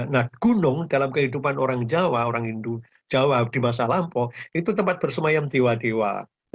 nah gunung dalam kehidupan orang jawa orang hindu jawa di masa lampau itu tempat bersemayam tiwa dewa